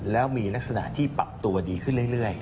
แล้วมีลักษณะที่ปรับตัวดีขึ้นเรื่อย